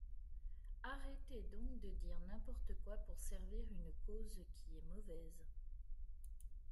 Arrêtez donc de dire n’importe quoi pour servir une cause qui est mauvaise.